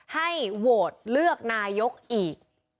ให้โหวตเลือกนายกอีก